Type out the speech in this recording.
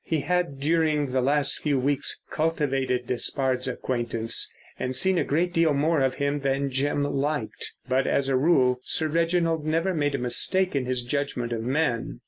He had, during the last few weeks, cultivated Despard's acquaintance and seen a great deal more of him than Jim liked. But, as a rule, Sir Reginald never made a mistake in his judgment of men.